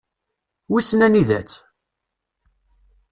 Wissen anida-tt?